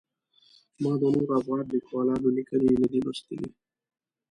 ما د نورو افغان لیکوالانو لیکنې نه دي لوستلي.